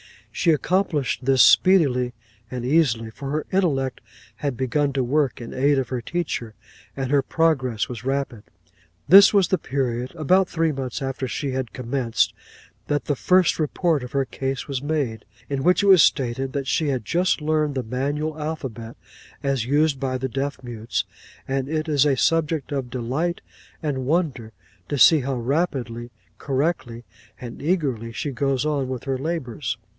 She accomplished this speedily and easily, for her intellect had begun to work in aid of her teacher, and her progress was rapid. 'This was the period, about three months after she had commenced, that the first report of her case was made, in which it was stated that "she has just learned the manual alphabet, as used by the deaf mutes, and it is a subject of delight and wonder to see how rapidly, correctly, and eagerly, she goes on with her labours.